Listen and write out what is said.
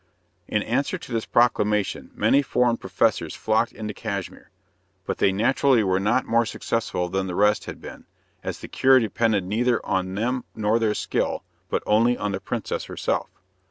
In answer to this proclamation many foreign professors flocked into Cashmere, but they naturally were not more successful than the rest had been, as the cure depended neither on them nor their skill, but only on the princess herself.